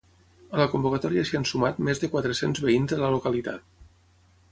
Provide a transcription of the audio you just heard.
A la convocatòria s'hi han sumat més de quatre-cents veïns de la localitat.